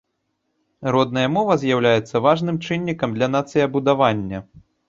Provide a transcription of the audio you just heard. Родная мова з'яўляецца важным чыннікам для нацыябудавання.